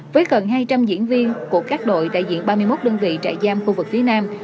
với gần hai trăm linh diễn viên của các đội đại diện ba mươi một đơn vị trại giam khu vực phía nam